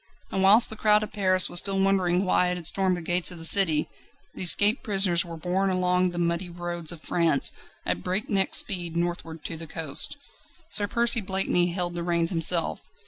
And whilst the crowd of Paris was still wondering why it had stormed the gates of the city, the escaped prisoners were borne along the muddy roads of France at breakneck speed northward to the coast. Sir Percy Blakeney held the reins himself.